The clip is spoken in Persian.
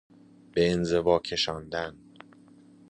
به انزوا کشاندن